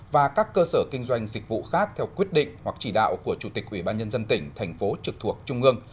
và các cơ sở kinh doanh dịch vụ khác theo quyết định hoặc chỉ đạo của chủ tịch ubnd tỉnh thành phố trực thuộc trung ương